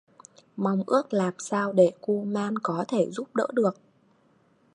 Mong ước làm sao để kuman có thể giúp đỡ được